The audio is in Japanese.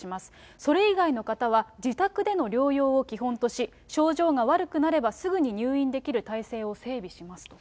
それ以外の方は、自宅での療養を基本とし、症状が悪くなれば、すぐに入院できる体制を整備しますと。